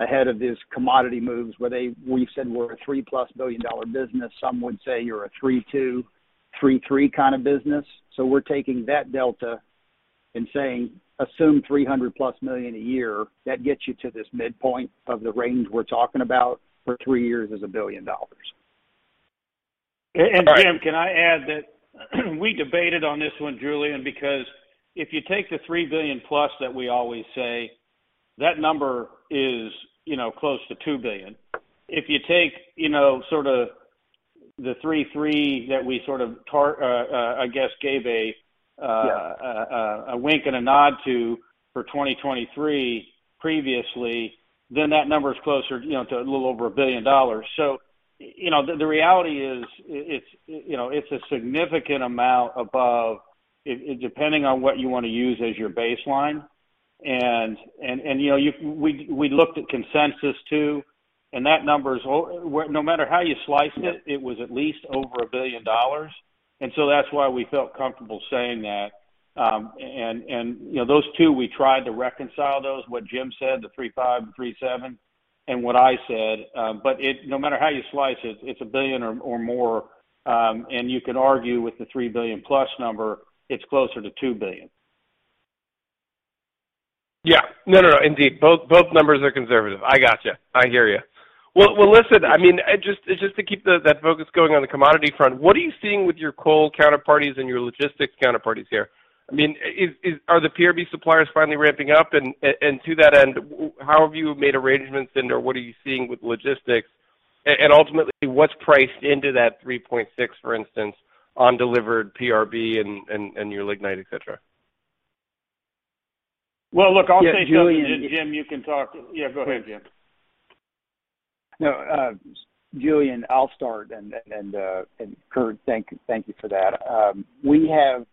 ahead of these commodity moves, where we said we're a $3+ billion business. Some would say you're a 3.2, 3.3 kind of business. We're taking that delta and saying assume $300+ million a year. That gets you to this midpoint of the range we're talking about for three years is $1 billion. All right. Jim Burke, can I add that we debated on this one, Julien Dumoulin-Smith, because if you take the $3 billion+ that we always say, that number is, you know, close to $2 billion. If you take, you know, sort of the $3.3 that we sort of, I guess gave a wink and a nod to for 2023 previously, then that number is closer, you know, to a little over a billion dollars. You know, the reality is it's, you know, it's a significant amount above depending on what you want to use as your baseline. You know, we looked at consensus too, and that number is no matter how you slice it was at least over a billion dollars. That's why we felt comfortable saying that. You know, those two, we tried to reconcile those, what Jim, the $3.5 billion and $3.7 billion and what I said. No matter how you slice it's a billion dollars or more. You can argue with the $3 billion+ number, it's closer to $2 billion. Yeah. No, indeed. Both numbers are conservative. I got you. I hear you. Well, listen, I mean, just to keep that focus going on the commodity front, what are you seeing with your coal counterparties and your logistics counterparties here? I mean, are the PRB suppliers finally ramping up? And to that end, how have you made arrangements and/or what are you seeing with logistics? And ultimately, what's priced into that $3.6, for instance, on delivered PRB and your lignite, et cetera? Well, look, I'll say something. Yeah, Julian Jim, you can talk. Yeah, go ahead, Jim. No, Julien, I'll start, and Curt Morgan, thank you for that. We have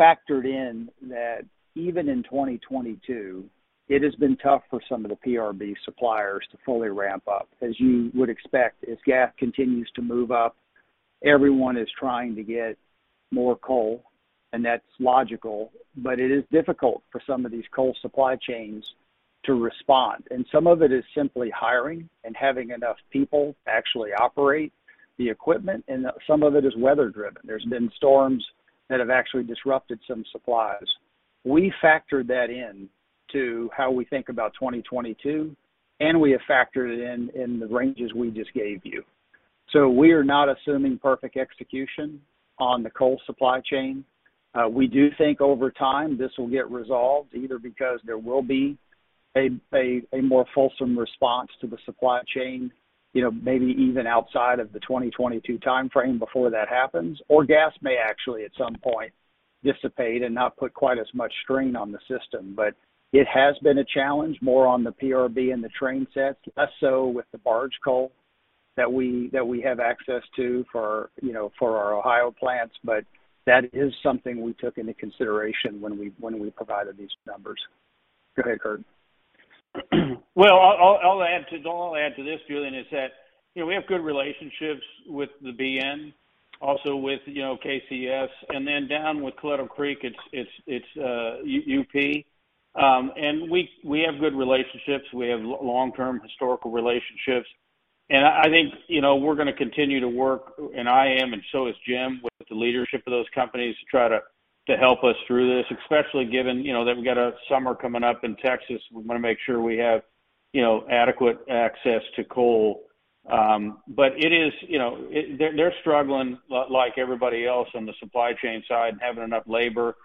factored in that even in 2022, it has been tough for some of the PRB suppliers to fully ramp up. As you would expect, as gas continues to move up, everyone is trying to get more coal, and that's logical. It is difficult for some of these coal supply chains to respond. Some of it is simply hiring and having enough people to actually operate the equipment, and some of it is weather driven. There's been storms that have actually disrupted some supplies. We factored that in to how we think about 2022, and we have factored it in in the ranges we just gave you. We are not assuming perfect execution on the coal supply chain. We do think over time this will get resolved either because there will be a more fulsome response to the supply chain, you know, maybe even outside of the 2022 timeframe before that happens, or gas may actually at some point dissipate and not put quite as much strain on the system. It has been a challenge more on the PRB and the train sets, less so with the barge coal that we have access to for, you know, for our Ohio plants. That is something we took into consideration when we provided these numbers. Go ahead, Curt. Well, I'll add to this, Julien Smith, that you know we have good relationships with the BNSF, also with you know KCS, and then down with Coleto Creek, it's Union Pacific. We have good relationships. We have long-term historical relationships. I think you know we're going to continue to work, and I am and so is Jim Burke, with the leadership of those companies to try to help us through this, especially given you know that we've got a summer coming up in Texas. We want to make sure we have you know adequate access to coal, but it is. You know, they're struggling like everybody else on the supply chain side and having enough labor.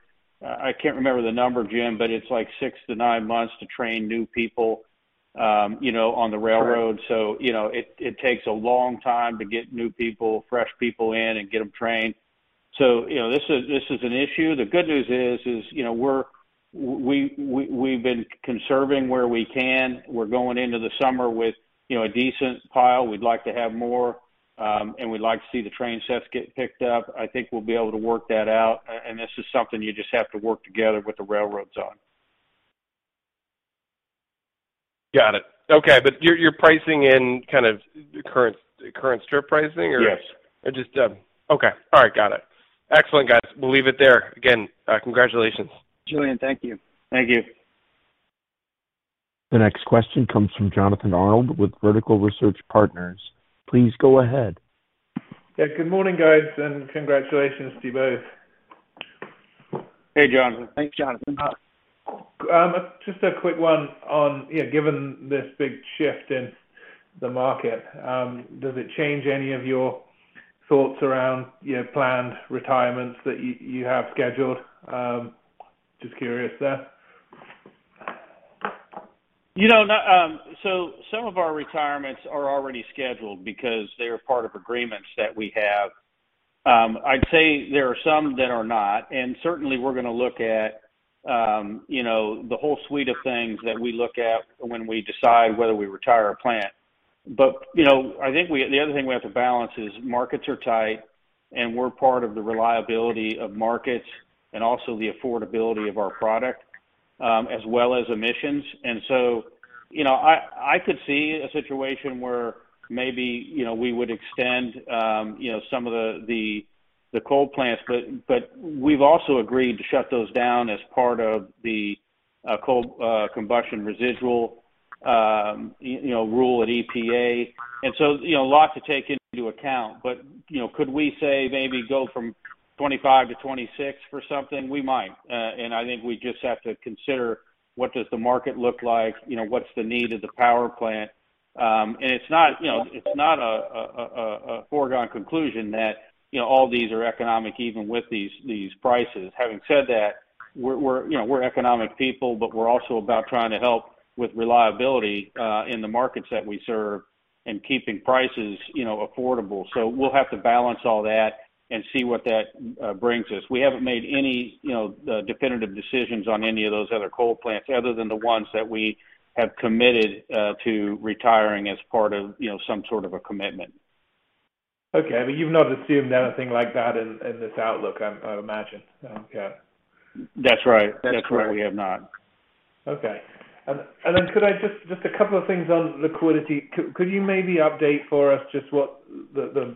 I can't remember the number, Jim, but it's like 6-9 months to train new people, you know, on the railroad. Right. You know, it takes a long time to get new people, fresh people in and get them trained. You know, this is an issue. The good news is, you know, we've been conserving where we can. We're going into the summer with, you know, a decent pile. We'd like to have more, and we'd like to see the train sets get picked up. I think we'll be able to work that out. This is something you just have to work together with the railroads on. Got it. Okay. You're pricing in kind of current strip pricing or? Yes. Okay. All right. Got it. Excellent, guys. We'll leave it there. Again, congratulations. Julien, thank you. Thank you. The next question comes from Jonathan Arnold with Vertical Research Partners. Please go ahead. Yeah. Good morning, guys, and congratulations to you both. Hey, Jonathan. Thanks, Jonathan. Just a quick one on, you know, given this big shift in the market, does it change any of your thoughts around your planned retirements that you have scheduled? Just curious there. You know, some of our retirements are already scheduled because they are part of agreements that we have. I'd say there are some that are not, and certainly we're gonna look at, you know, the whole suite of things that we look at when we decide whether we retire a plant. You know, I think the other thing we have to balance is markets are tight, and we're part of the reliability of markets and also the affordability of our product, as well as emissions. You know, I could see a situation where maybe, you know, we would extend, you know, some of the coal plants, but we've also agreed to shut those down as part of the coal combustion residual, you know, rule at EPA. You know, a lot to take into account. You know, could we say maybe go from 25 to 26 for something? We might. I think we just have to consider what does the market look like, you know, what's the need of the power plant. It's not, you know, it's not a foregone conclusion that, you know, all these are economic, even with these prices. Having said that, we're, you know, we're economic people, but we're also about trying to help with reliability in the markets that we serve and keeping prices, you know, affordable. We'll have to balance all that and see what that brings us. We haven't made any, you know, definitive decisions on any of those other coal plants other than the ones that we have committed to retiring as part of, you know, some sort of a commitment. Okay. You've not assumed anything like that in this outlook, I would imagine. Okay. That's right. That's right. We have not. Okay. Could I just a couple of things on liquidity. Could you maybe update for us just what the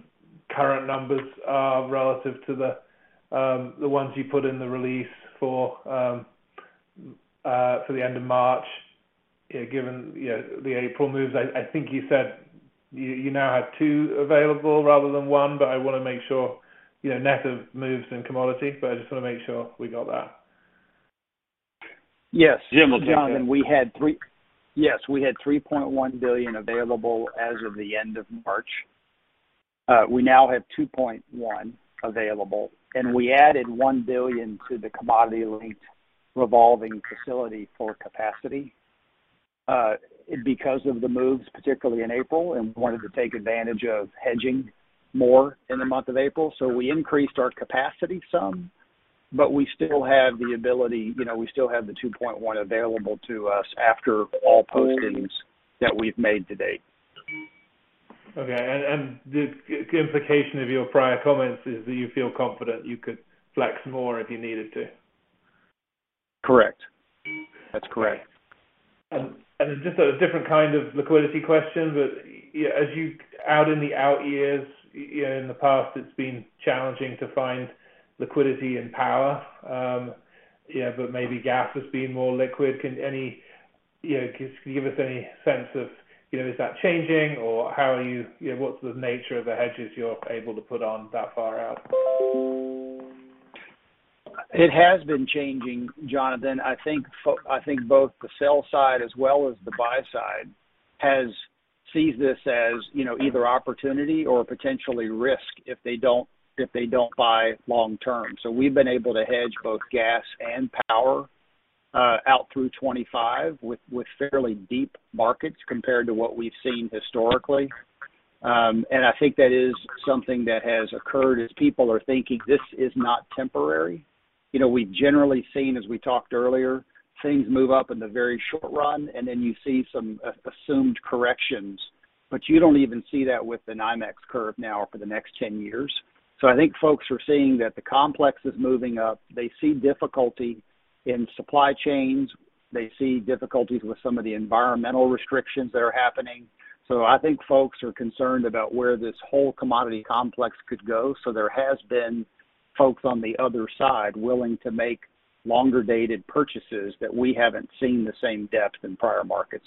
current numbers are relative to the ones you put in the release for the end of March? Given, you know, the April moves, I think you said you now have two available rather than one, but I wanna make sure, you know, net of moves and commodity, but I just wanna make sure we got that. Yes. Jim will take that. Jonathan, yes, we had $3.1 billion available as of the end of March. We now have $2.1 billion available, and we added $1 billion to the commodity-linked revolving facility for capacity, because of the moves, particularly in April, and we wanted to take advantage of hedging more in the month of April. We increased our capacity some, but we still have the ability, you know, we still have the $2.1 billion available to us after all postings that we've made to date. Okay. The implication of your prior comments is that you feel confident you could flex more if you needed to. Correct. That's correct. Just a different kind of liquidity question. As you look out in the out years, you know, in the past it's been challenging to find liquidity in power, you know, but maybe gas has been more liquid. You know, can you give us any sense of, you know, is that changing or how are you know, what's the nature of the hedges you're able to put on that far out? It has been changing, Jonathan. I think both the sell side as well as the buy side sees this as, you know, either opportunity or potentially risk if they don't buy long term. We've been able to hedge both gas and power out through 25 with fairly deep markets compared to what we've seen historically. I think that is something that has occurred as people are thinking this is not temporary. You know, we've generally seen, as we talked earlier, things move up in the very short run and then you see some assumed corrections, but you don't even see that with the NYMEX curve now for the next 10 years. I think folks are seeing that the complex is moving up. They see difficulty in supply chains. They see difficulties with some of the environmental restrictions that are happening. I think folks are concerned about where this whole commodity complex could go. There has been folks on the other side willing to make longer dated purchases that we haven't seen the same depth in prior markets.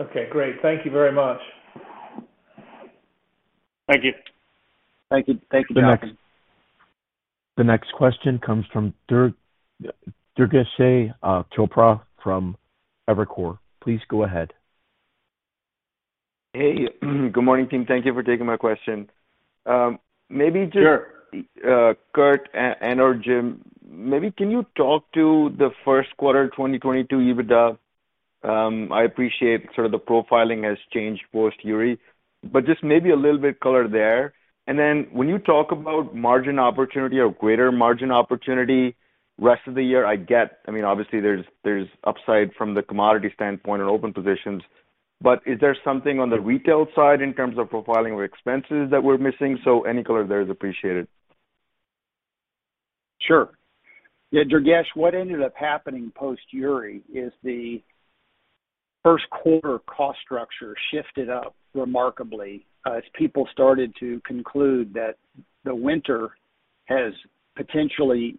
Okay, great. Thank you very much. Thank you. Thank you. Thank you, Jonathan. The next question comes from Durgesh Chopra from Evercore ISI. Please go ahead. Hey. Good morning, team. Thank you for taking my question. Maybe just- Sure Curt and/or Jim, maybe can you talk to the first quarter of 2022 EBITDA? I appreciate sort of the profiling has changed post Uri, but just maybe a little bit color there. Then when you talk about margin opportunity or greater margin opportunity rest of the year, I get, I mean, obviously there's upside from the commodity standpoint or open positions. Is there something on the retail side in terms of profiling or expenses that we're missing? Any color there is appreciated. Sure. Yeah, Durgesh, what ended up happening post Uri is the first quarter cost structure shifted up remarkably as people started to conclude that the winter has potentially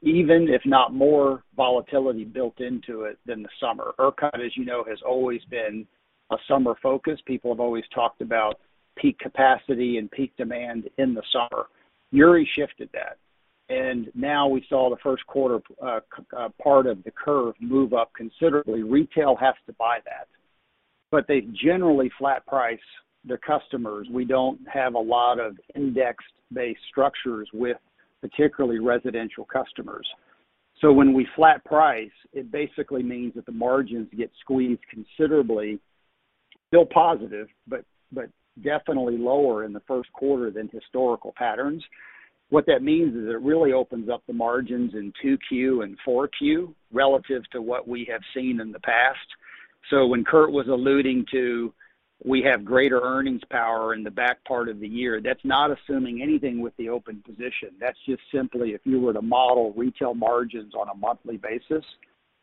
even, if not more volatility built into it than the summer. ERCOT, as you know, has always been a summer focus. People have always talked about peak capacity and peak demand in the summer. Uri shifted that. Now we saw the first quarter part of the curve move up considerably. Retail has to buy that, but they generally flat price their customers. We don't have a lot of index-based structures with particularly residential customers. When we flat price, it basically means that the margins get squeezed considerably. Still positive, but definitely lower in the first quarter than historical patterns. What that means is it really opens up the margins in 2Q and 4Q relative to what we have seen in the past. When Curt was alluding to we have greater earnings power in the back part of the year, that's not assuming anything with the open position. That's just simply if you were to model retail margins on a monthly basis,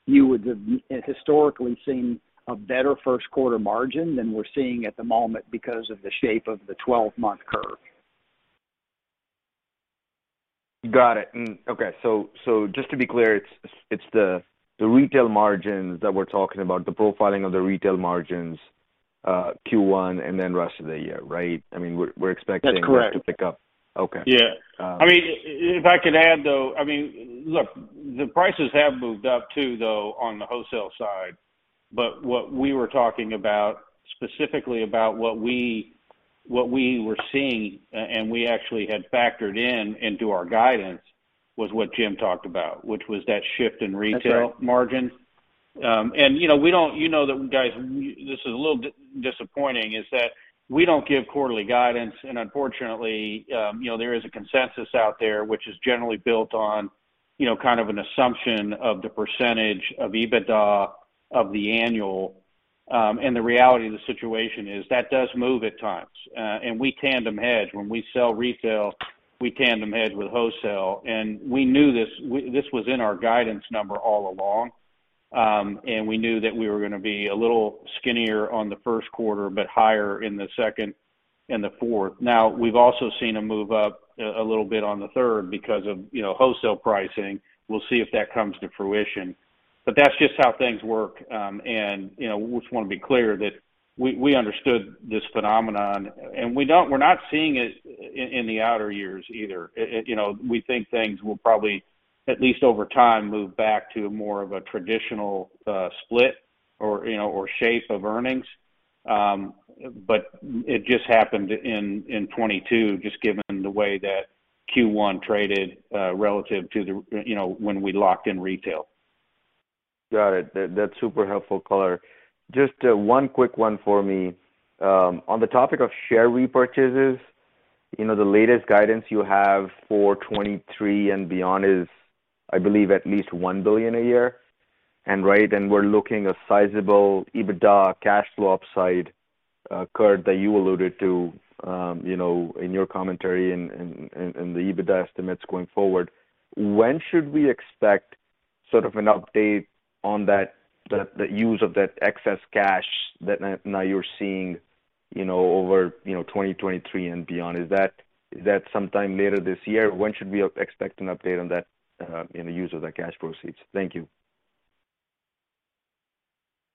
you would have historically seen a better first quarter margin than we're seeing at the moment because of the shape of the 12-month curve. Got it. Okay, so just to be clear, it's the retail margins that we're talking about, the profiling of the retail margins, Q1 and then rest of the year, right? I mean, we're expecting. That's correct. to pick up. Okay. Yeah. Um- I mean, if I could add though, I mean, look, the prices have moved up too, though, on the wholesale side. What we were talking about, specifically about what we were seeing, and we actually had factored in into our guidance was what Jim talked about, which was that shift in retail. That's right.... margin. You know that, guys, this is a little disappointing that we don't give quarterly guidance. Unfortunately, you know, there is a consensus out there which is generally built on, you know, kind of an assumption of the percentage of EBITDA of the annual. The reality of the situation is that does move at times. We tandem hedge. When we sell retail, we tandem hedge with wholesale. We knew this. This was in our guidance number all along. We knew that we were gonna be a little skinnier on the first quarter, but higher in the second and the fourth. Now, we've also seen a move up a little bit on the third because of, you know, wholesale pricing. We'll see if that comes to fruition. That's just how things work. You know, we just wanna be clear that we understood this phenomenon, and we're not seeing it in the outer years either. You know, we think things will probably, at least over time, move back to more of a traditional split or shape of earnings. It just happened in 2022, just given the way that Q1 traded relative to when we locked in retail. Got it. That's super helpful color. Just one quick one for me. On the topic of share repurchases, you know, the latest guidance you have for 2023 and beyond is, I believe, at least $1 billion a year. We're looking at a sizable EBITDA cash flow upside, Kurt, that you alluded to, you know, in your commentary and the EBITDA estimates going forward. When should we expect sort of an update on that, the use of that excess cash that now you're seeing, you know, over 2023 and beyond? Is that sometime later this year? When should we expect an update on that, in the use of that cash proceeds? Thank you.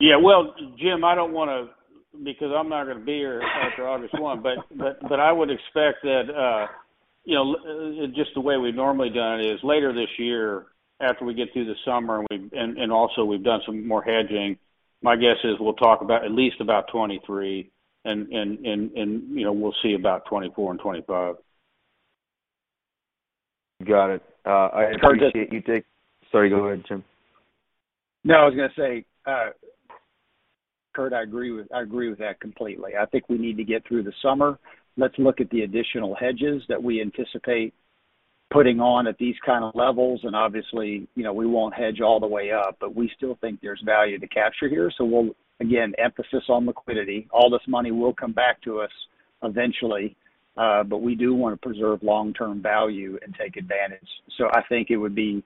Yeah. Well, Jim, I don't wanna because I'm not gonna be here after August 1. I would expect that, you know, just the way we've normally done it is later this year after we get through the summer and we've done some more hedging. My guess is we'll talk about at least 2023 and, you know, we'll see about 2024 and 2025. Got it. I appreciate you taking- Kurt did- Sorry, go ahead, Jim. No, I was gonna say, Curt, I agree with that completely. I think we need to get through the summer. Let's look at the additional hedges that we anticipate putting on at these kind of levels. Obviously, you know, we won't hedge all the way up, but we still think there's value to capture here. We'll, again, emphasize on liquidity. All this money will come back to us eventually, but we do wanna preserve long-term value and take advantage. I think it would be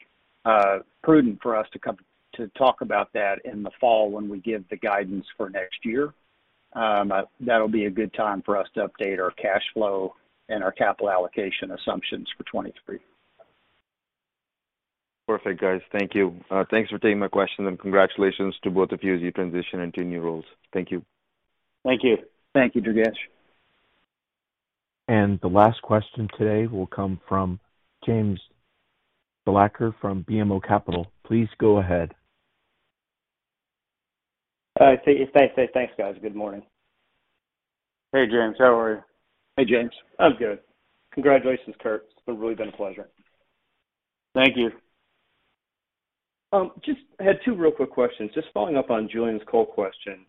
prudent for us to come to talk about that in the fall when we give the guidance for next year. That'll be a good time for us to update our cash flow and our capital allocation assumptions for 2023. Perfect guys. Thank you. Thanks for taking my question, and congratulations to both of you as you transition into your new roles. Thank you. Thank you. Thank you, Durgesh Chopra. The last question today will come from James Thalacker from BMO Capital. Please go ahead. Thanks, guys. Good morning. Hey, James. How are you? Hey, James. I'm good. Congratulations, Curt. It's really been a pleasure. Thank you. Just had two real quick questions. Just following up on Julian's coal question.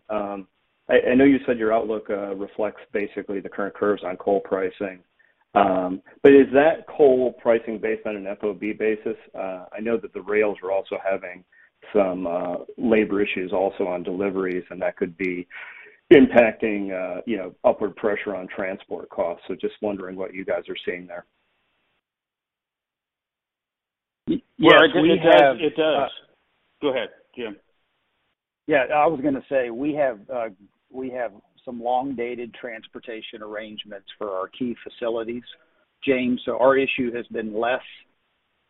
I know you said your outlook reflects basically the current curves on coal pricing. But is that coal pricing based on an FOB basis? I know that the rails are also having some labor issues also on deliveries, and that could be impacting, you know, upward pressure on transport costs. Just wondering what you guys are seeing there. Well, I think it does. Yes, we have. Go ahead, Jim. Yeah, I was gonna say, we have some long-dated transportation arrangements for our key facilities, James. Our issue has been less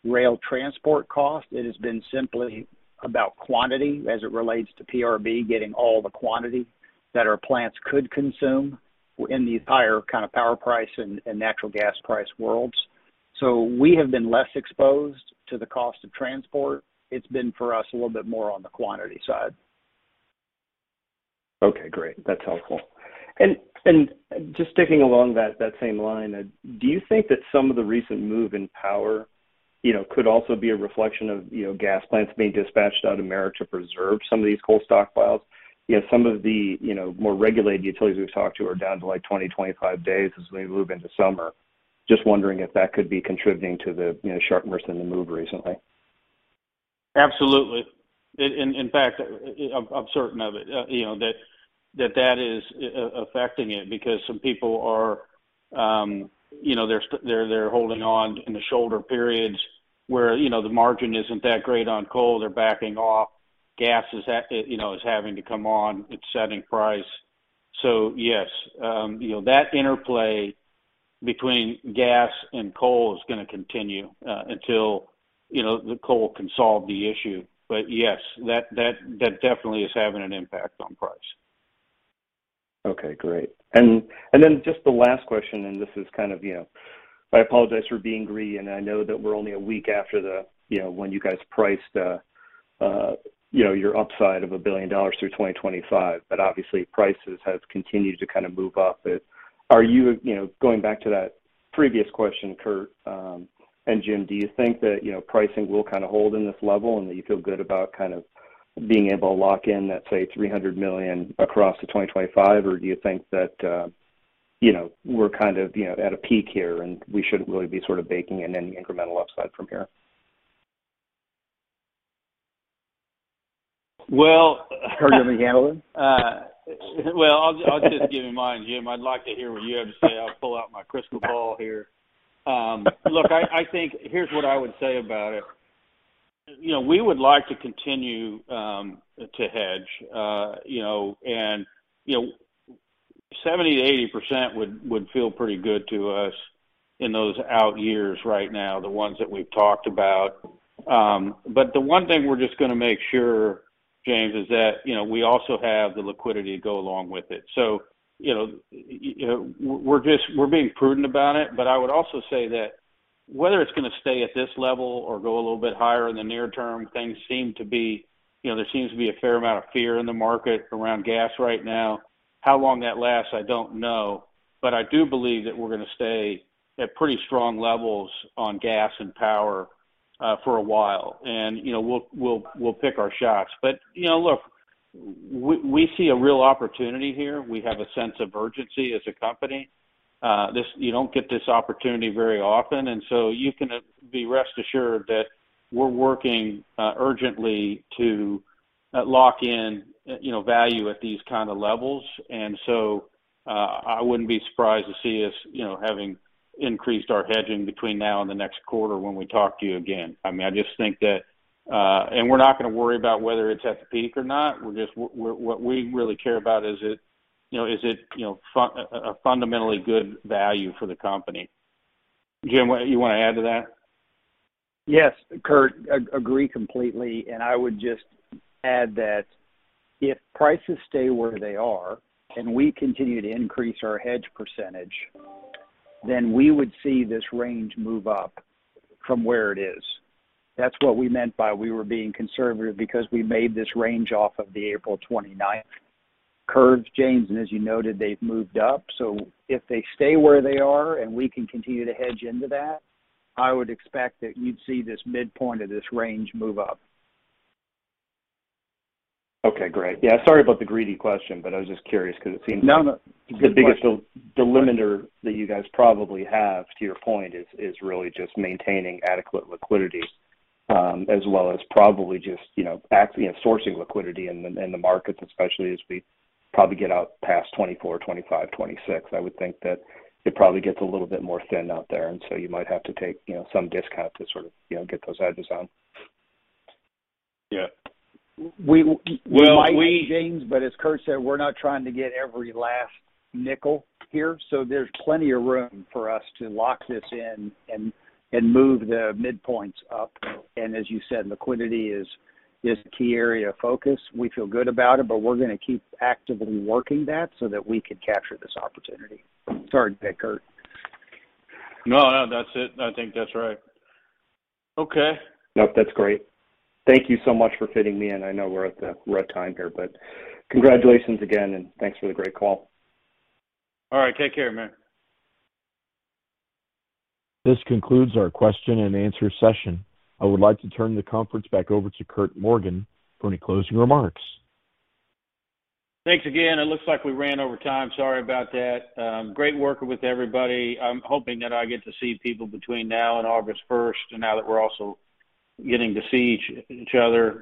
rail transport costs. It has been simply about quantity as it relates to PRB getting all the quantity that our plants could consume in the higher kind of power price and natural gas price worlds. We have been less exposed to the cost of transport. It's been, for us, a little bit more on the quantity side. Okay, great. That's helpful. Just sticking along that same line, do you think that some of the recent move in power, you know, could also be a reflection of, you know, gas plants being dispatched out of merit to preserve some of these coal stockpiles? You know, some of the, you know, more regulated utilities we've talked to are down to like 20-25 days as we move into summer. Just wondering if that could be contributing to the, you know, sharpness in the move recently. Absolutely. In fact, I'm certain of it, you know, that is affecting it because some people are, you know, they're holding on in the shoulder periods where, you know, the margin isn't that great on coal. They're backing off. Gas is, you know, having to come on. It's setting price. Yes, you know, that interplay between gas and coal is gonna continue, until, you know, the coal can solve the issue. Yes, that definitely is having an impact on price. Okay, great. Then just the last question, and this is kind of, you know, I apologize for being greedy, and I know that we're only a week after the, you know, when you guys priced, you know, your upside of a billion dollars through 2025, but obviously prices has continued to kind of move up. But are you know, going back to that previous question, Curt, and Jim, do you think that, you know, pricing will kind of hold in this level and that you feel good about kind of being able to lock in that, say, $300 million across to 2025? Or do you think that, you know, we're kind of, you know, at a peak here, and we shouldn't really be sort of baking in any incremental upside from here? Well- Curt, do you want me to handle it? Well, I'll just give you mine, Jim. I'd like to hear what you have to say. I'll pull out my crystal ball here. Look, I think here's what I would say about it. You know, we would like to continue to hedge, you know. 70%-80% would feel pretty good to us in those out years right now, the ones that we've talked about. But the one thing we're just gonna make sure, James, is that, you know, we also have the liquidity to go along with it. You know, we're being prudent about it. But I would also say that whether it's gonna stay at this level or go a little bit higher in the near term, things seem to be. You know, there seems to be a fair amount of fear in the market around gas right now. How long that lasts, I don't know. I do believe that we're gonna stay at pretty strong levels on gas and power for a while. You know, we'll pick our shots. You know, look, we see a real opportunity here. We have a sense of urgency as a company. You don't get this opportunity very often, you can be rest assured that we're working urgently to lock in, you know, value at these kind of levels. I wouldn't be surprised to see us, you know, having increased our hedging between now and the next quarter when we talk to you again. I mean, I just think that. We're not gonna worry about whether it's at the peak or not. What we really care about is it, you know, a fundamentally good value for the company. Jim, you wanna add to that? Yes, Curt. Agree completely, and I would just add that if prices stay where they are and we continue to increase our hedge percentage, then we would see this range move up from where it is. That's what we meant by we were being conservative because we made this range off of the April 29th curves, James, and as you noted, they've moved up. If they stay where they are and we can continue to hedge into that, I would expect that you'd see this midpoint of this range move up. Okay, great. Yeah, sorry about the greedy question, but I was just curious 'cause it seems. No. The biggest delimiter that you guys probably have, to your point, is really just maintaining adequate liquidity, as well as probably just, you know, sourcing liquidity in the markets, especially as we probably get out past 2024, 2025, 2026. I would think that it probably gets a little bit more thin out there, and so you might have to take, you know, some discount to sort of, you know, get those hedges on. Yeah. We might, James. As Curt said, we're not trying to get every last nickel here, so there's plenty of room for us to lock this in and move the midpoints up. As you said, liquidity is a key area of focus. We feel good about it, but we're gonna keep actively working that so that we can capture this opportunity. Sorry, Curt. No, no, that's it. I think that's right. Okay. Nope, that's great. Thank you so much for fitting me in. I know we're at the right time here, but congratulations again, and thanks for the great call. All right, take care, man. This concludes our question and answer session. I would like to turn the conference back over to Curt Morgan for any closing remarks. Thanks again. It looks like we ran over time. Sorry about that. Great working with everybody. I'm hoping that I get to see people between now and August first, and now that we're also getting to see each other.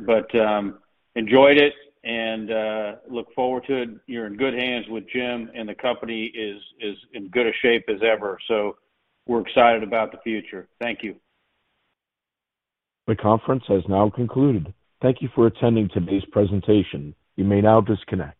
Enjoyed it and look forward to it. You're in good hands with Jim, and the company is in as good a shape as ever. We're excited about the future. Thank you. The conference has now concluded. Thank you for attending today's presentation. You may now disconnect.